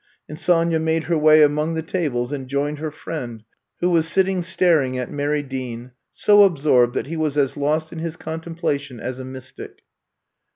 And Sony a made her way among the tables and joined her friend, who was sitting staring at Mary Dean, so absorbed that he was as lost in his contemplation as a mystic.